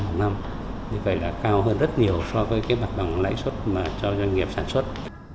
thế vậy là cao hơn rất nhiều so với bằng lãi xuất cho doanh nghiệp sản xuất